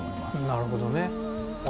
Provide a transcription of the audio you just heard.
なるほどね。